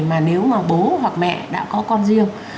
mà nếu mà bố hoặc mẹ đã có con riêng